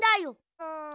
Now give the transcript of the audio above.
うん。